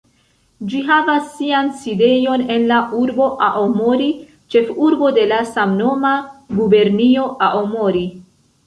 Ĝi havas sian sidejon en la urbo Aomori, ĉefurbo de la samnoma gubernio Aomori.